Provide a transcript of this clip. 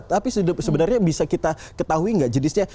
tapi sebenarnya bisa kita ketahui nggak jenisnya